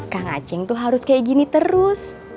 kang aceng tuh harus kayak gini terus